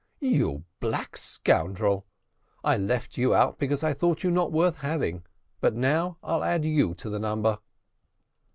"You black scoundrel, I left you out because I thought you not worth having, but now I'll add you to the number."